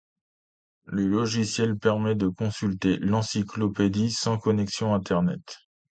Le logiciel permet de consulter l'encyclopédie sans connexion Internet.